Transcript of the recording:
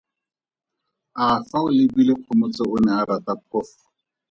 A fa o lebile Kgomotso o ne a rata Phofu?